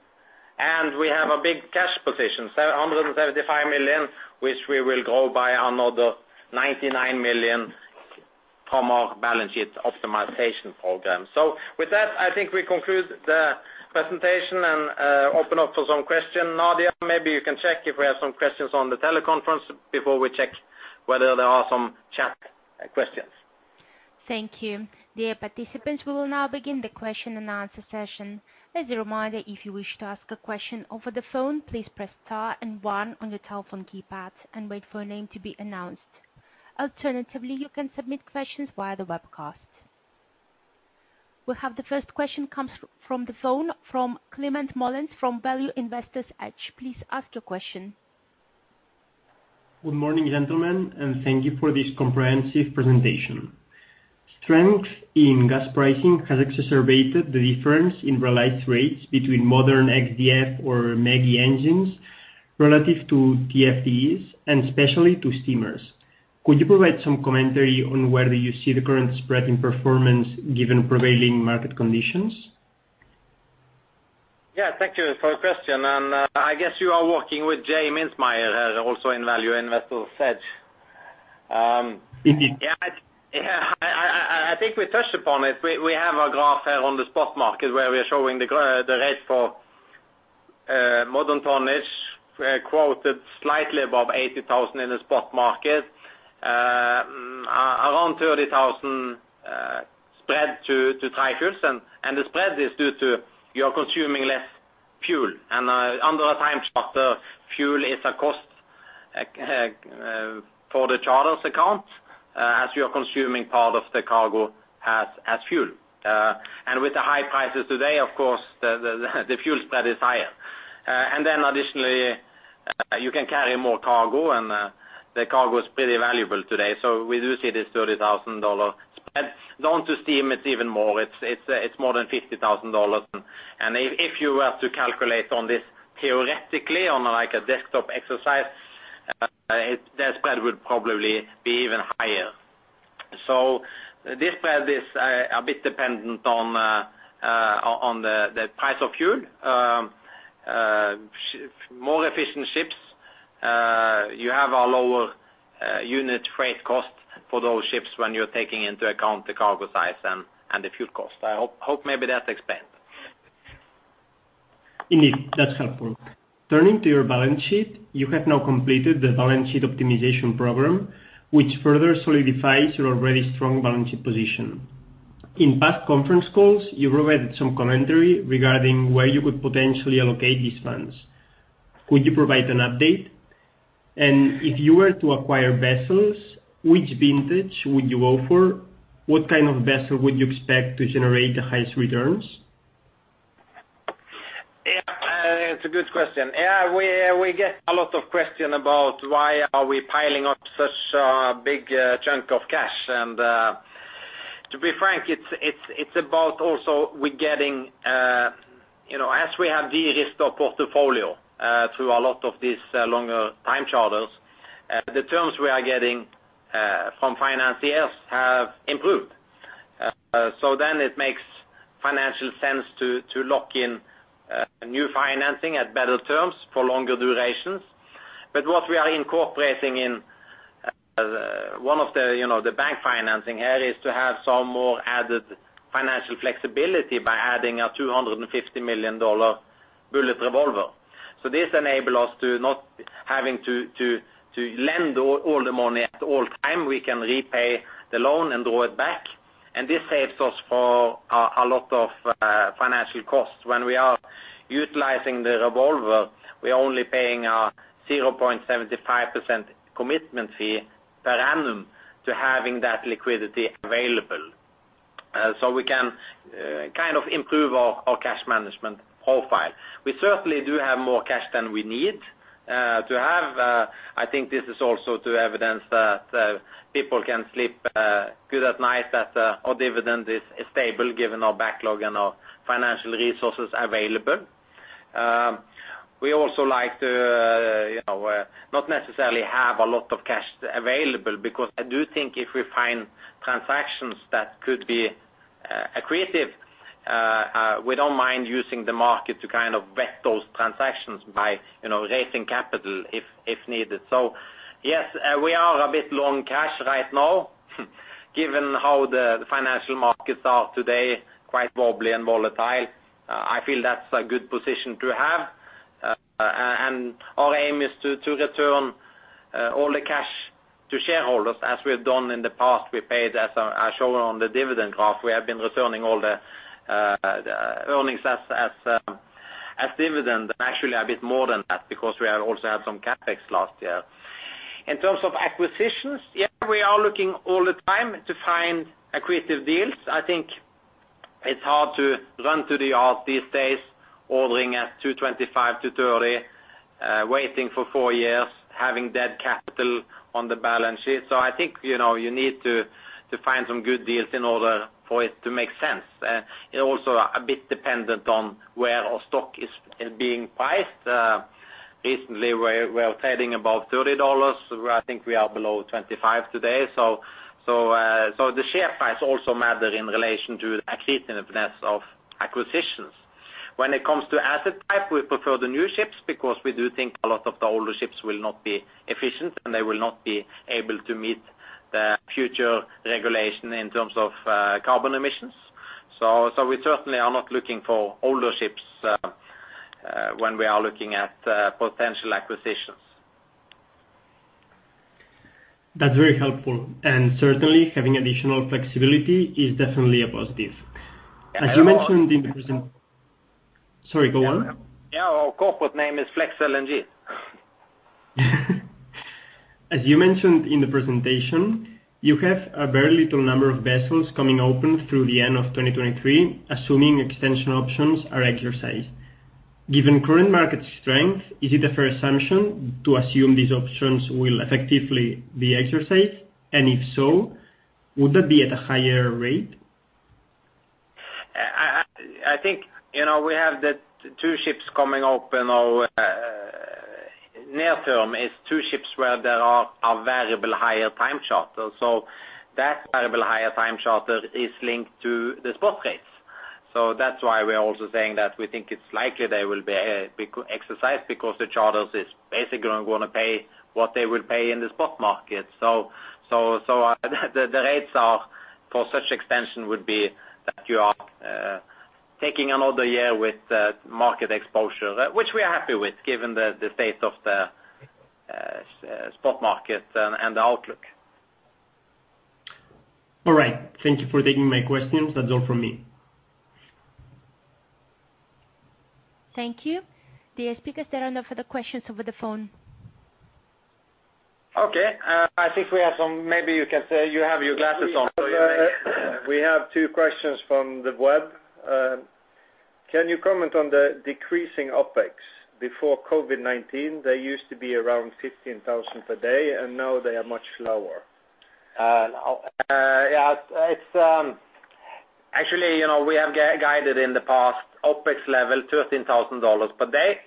We have a big cash position, $775 million, which we will grow by another $99 million from our balance sheet optimization program. With that, I think we conclude the presentation and open up for some question. Nadia, maybe you can check if we have some questions on the teleconference before we check whether there are some chat questions. Thank you. Dear participants, we will now begin the question and answer session. As a reminder, if you wish to ask a question over the phone, please press star and one on your telephone keypad and wait for a name to be announced. Alternatively, you can submit questions via the webcast. We have the first question comes from the phone from Clement Mullins from Value Investor's Edge. Please ask your question. Good morning, gentlemen, and thank you for this comprehensive presentation. Strength in gas pricing has exacerbated the difference in realized rates between modern XDF or MEGI engines relative to TFDEs and especially to steamers. Could you provide some commentary on whether you see the current spread in performance given prevailing market conditions? Yeah, thank you for the question. I guess you are working with J Mintzmyer, also in Value Investor's Edge. I think we touched upon it. We have a graph here on the spot market where we are showing the rates for modern tonnage quoted slightly above $80,000 in the spot market. Around $30,000 spread to tankers. The spread is due to you are consuming less fuel. Under a time charter, fuel is a cost for the charter's account, as you are consuming part of the cargo as fuel. With the high prices today, of course, the fuel spread is higher. You can carry more cargo, and the cargo is pretty valuable today. We do see this $30,000 spread. Down to steam, it's even more. It's more than $50,000. If you were to calculate on this theoretically on, like, a desktop exercise, that spread would probably be even higher. This spread is a bit dependent on the price of fuel. More efficient ships, you have a lower unit freight cost for those ships when you're taking into account the cargo size and the fuel cost. I hope maybe that explains. Indeed, that's helpful. Turning to your balance sheet, you have now completed the balance sheet optimization program, which further solidifies your already strong balance sheet position. In past conference calls, you provided some commentary regarding where you could potentially allocate these funds. Could you provide an update? If you were to acquire vessels, which vintage would you offer? What kind of vessel would you expect to generate the highest returns? Yeah, it's a good question. Yeah, we get a lot of questions about why we are piling up such a big chunk of cash. To be frank, it's about also we're getting, you know, as we have derisked our portfolio through a lot of these longer time charters, the terms we are getting from financiers have improved. It makes financial sense to lock in new financing at better terms for longer durations. What we are incorporating in one of the, you know, the bank financing here is to have some more added financial flexibility by adding a $250 million bullet revolver. This enable us to not having to lend all the money at all time. We can repay the loan and draw it back, and this saves us a lot of financial costs. When we are utilizing the revolver, we are only paying a 0.75% commitment fee per annum to having that liquidity available. We can kind of improve our cash management profile. We certainly do have more cash than we need to have. I think this is also to evidence that people can sleep good at night, that our dividend is stable given our backlog and our financial resources available. We also like to, you know, not necessarily have a lot of cash available, because I do think if we find transactions that could be accretive, we don't mind using the market to kind of vet those transactions by, you know, raising capital if needed. Yes, we are a bit long cash right now. Given how the financial markets are today, quite wobbly and volatile, I feel that's a good position to have. Our aim is to return all the cash to shareholders as we have done in the past. As shown on the dividend graph, we have been returning all the earnings as dividend. Actually, a bit more than that because we have also had some CapEx last year. In terms of acquisitions, yeah, we are looking all the time to find accretive deals. I think it's hard to run to the yard these days, ordering at $225-$230 million, waiting for four years, having dead capital on the balance sheet. I think, you know, you need to find some good deals in order for it to make sense. It's also a bit dependent on where our stock is being priced. Recently we're trading above $30. I think we are below $25 today. The share price also matter in relation to the attractiveness of acquisitions. When it comes to asset type, we prefer the new ships because we do think a lot of the older ships will not be efficient, and they will not be able to meet the future regulation in terms of carbon emissions. We certainly are not looking for older ships when we are looking at potential acquisitions. That's very helpful. Certainly having additional flexibility is definitely a positive. As you mentioned in the present- Yeah, well. Sorry, go on. Yeah, our corporate name is Flex LNG. As you mentioned in the presentation, you have a very little number of vessels coming open through the end of 2023, assuming extension options are exercised. Given current market strength, is it a fair assumption to assume these options will effectively be exercised? And if so, would that be at a higher rate? I think, you know, we have the two ships coming open or near term is two ships where there are variable hire time charter. That variable hire time charter is linked to the spot rates. That's why we are also saying that we think it's likely they will be exercised because the charterer is basically gonna pay what they would pay in the spot market. So the rates for such extension would be that you are taking another year with market exposure, which we are happy with given the state of the spot market and the outlook. All right. Thank you for taking my questions. That's all from me. Thank you. The speakers there are now for the questions over the phone. Okay. I think maybe you can say you have your glasses on. We have two questions from the web. Can you comment on the decreasing OpEx? Before COVID-19, they used to be around $15,000 per day, and now they are much lower. Yeah, it's actually, you know, we have guided in the past OpEx level, $13,000 per day.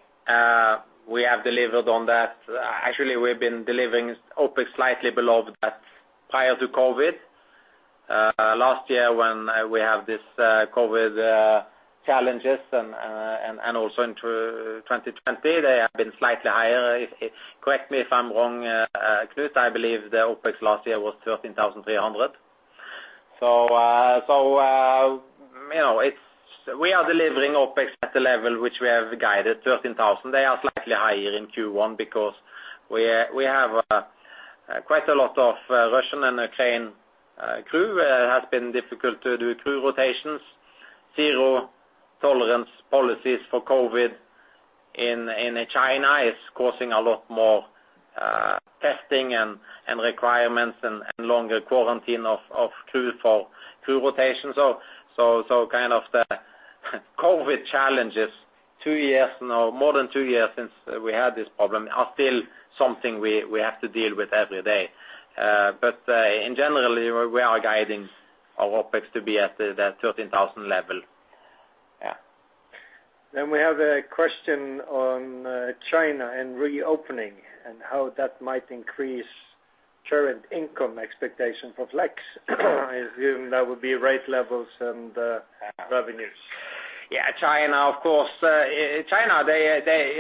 We have delivered on that. Actually, we've been delivering OpEx slightly below that prior to COVID. Last year when we have this COVID challenges and also into 2020, they have been slightly higher. Correct me if I'm wrong, Knut. I believe the OpEx last year was $13,300. So, you know, we are delivering OpEx at the level which we have guided, $13,000. They are slightly higher in Q1 because we have quite a lot of Russian and Ukrainian crew, has been difficult to do crew rotations. Zero tolerance policies for COVID in China is causing a lot more testing and requirements and longer quarantine of crew for crew rotations. Kind of the COVID challenges two years now, more than two years since we had this problem are still something we have to deal with every day. In general, we are guiding our OpEx to be at the $13,000 level. Yeah. We have a question on China and reopening and how that might increase current income expectations of Flex assuming there will be rate levels and revenues. Yeah, China, of course, you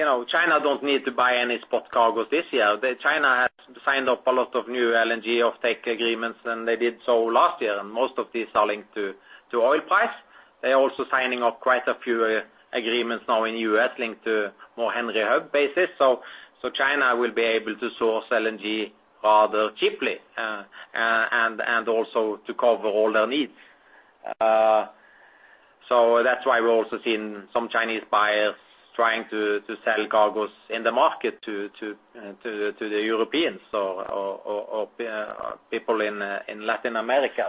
know, China don't need to buy any spot cargoes this year. China has signed up a lot of new LNG offtake agreements, and they did so last year. Most of these are linked to oil price. They're also signing up quite a few agreements now in U.S. linked to more Henry Hub basis. China will be able to source LNG rather cheaply, and also to cover all their needs. That's why we're also seeing some Chinese buyers trying to the Europeans or people in Latin America.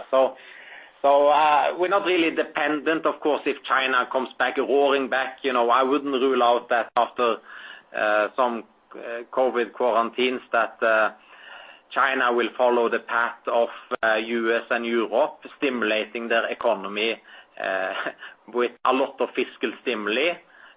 We're not really dependent. Of course, if China comes back, roaring back, you know, I wouldn't rule out that after some COVID quarantines that China will follow the path of U.S. and Europe, stimulating their economy with a lot of fiscal stimuli,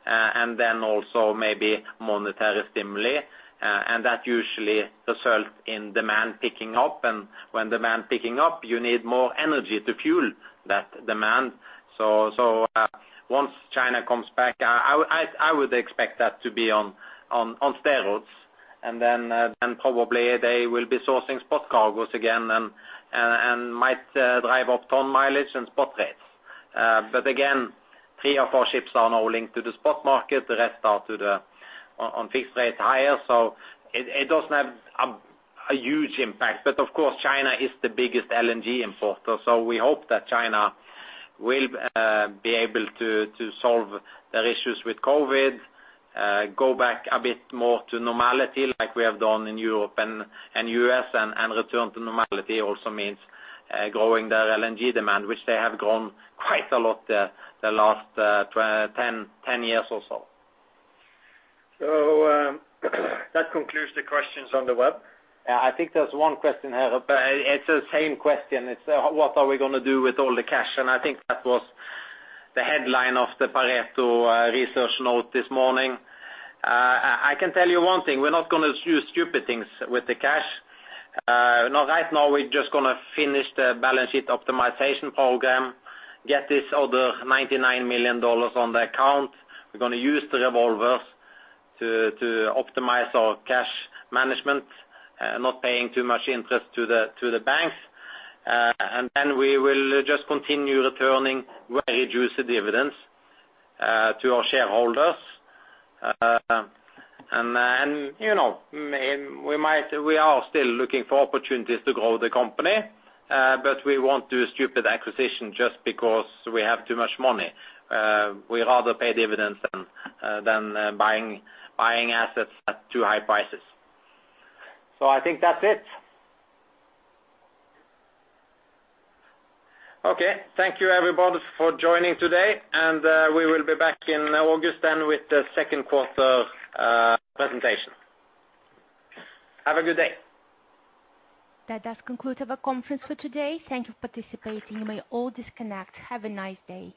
and then also maybe monetary stimuli. That usually results in demand picking up. When demand picking up, you need more energy to fuel that demand. Once China comes back, I would expect that to be on steroids. Then probably they will be sourcing spot cargoes again and might drive up ton mileage and spot rates. But again, three or four ships are now linked to the spot market. The rest are on fixed rate higher. It doesn't have a huge impact. Of course, China is the biggest LNG importer, so we hope that China will be able to solve their issues with COVID, go back a bit more to normality like we have done in Europe and U.S. Return to normality also means growing their LNG demand, which they have grown quite a lot the last 10 years or so. That concludes the questions on the web. Yeah. I think there's one question here, but it's the same question. It's what are we gonna do with all the cash? I think that was the headline of the Pareto Securities research note this morning. I can tell you one thing, we're not gonna do stupid things with the cash. No, right now we're just gonna finish the balance sheet optimization program, get this other $99 million on the account. We're gonna use the revolvers to optimize our cash management, not paying too much interest to the banks. Then we will just continue returning very juicy dividends to our shareholders. Then, you know, we are still looking for opportunities to grow the company, but we won't do a stupid acquisition just because we have too much money. We'd rather pay dividends than buying assets at too high prices. I think that's it. Okay, thank you everybody for joining today, and we will be back in August then with the Q2 presentation. Have a good day. That does conclude our conference for today. Thank you for participating. You may all disconnect. Have a nice day.